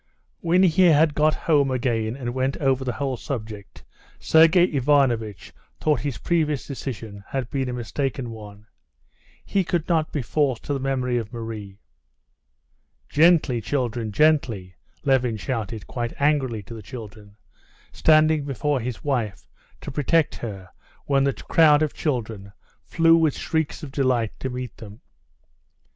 When he had got home again and went over the whole subject, Sergey Ivanovitch thought his previous decision had been a mistaken one. He could not be false to the memory of Marie. "Gently, children, gently!" Levin shouted quite angrily to the children, standing before his wife to protect her when the crowd of children flew with shrieks of delight to meet them.